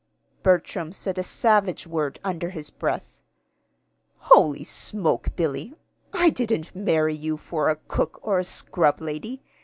Bertram said a savage word under his breath. "Holy smoke, Billy! I didn't marry you for a cook or a scrub lady.